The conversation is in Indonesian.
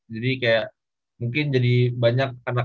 jadi kayak mungkin jadi banyak anak anak